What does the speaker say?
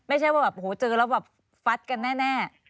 ไม่ใช่ว่าเจอแล้วแบบฟัสกันแน่